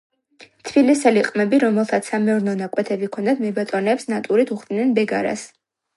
თბილისელი ყმები რომელთაც სამეურნეო ნაკვეთები ჰქონდათ, მებატონეებს ნატურით უხდიდნენ ბეგარას.